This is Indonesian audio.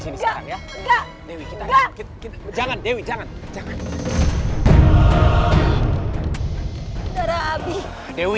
demi kita gak tau itu